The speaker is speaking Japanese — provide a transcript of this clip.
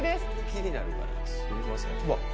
気になるからすいませんうわ